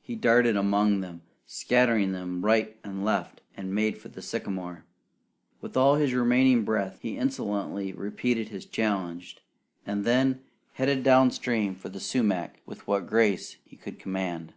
He darted among them, scattering them right and left, and made for the sycamore. With all his remaining breath, he insolently repeated his challenge; and then headed down stream for the sumac with what grace he could command.